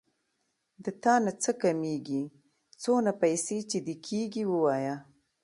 د تانه څه کمېږي څونه پيسې چې دې کېږي ووايه.